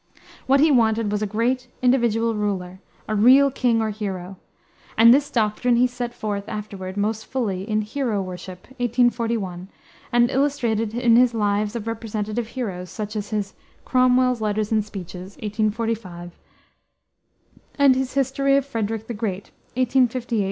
What he wanted was a great individual ruler, a real king or hero; and this doctrine he set forth afterward most fully in Hero Worship, 1841, and illustrated in his lives of representative heroes, such as his Cromwell's Letters and Speeches, 1845, and his great History of Frederick the Great, 1858 1865.